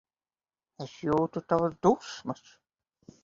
Es jūtu tavas dusmas.